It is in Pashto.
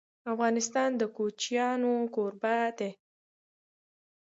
افغانستان د کوچیانو کوربه دی..